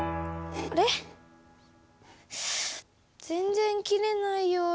全然切れないよ。